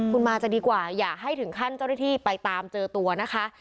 คุณมาจะดีกว่าอย่าให้ถึงขั้นเจ้าหน้าที่ไปตามเจอตัวนะคะ